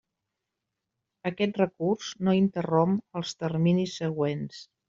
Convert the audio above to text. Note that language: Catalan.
Aquest recurs no interromp els terminis següents.